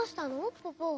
ポポ。